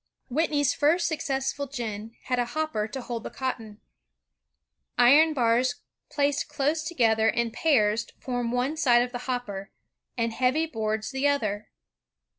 Whitney's first successful gin had a hopper to hold the cotton. Iron bars placed close together in pairs formed one side of the hopper, and heavy boards the other.